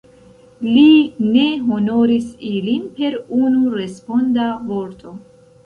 Li ne honoris ilin per unu responda vorto.